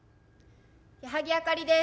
矢作あかりです。